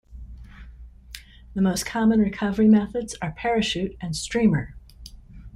The most common recovery methods are parachute and streamer.